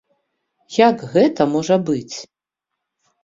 Як гэта можа быць?